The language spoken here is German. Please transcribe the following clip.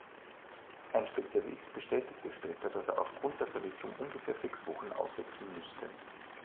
Ein Spezialist bestätigte später, dass er aufgrund der Verletzung ungefähr sechs Wochen aussetzen müsste.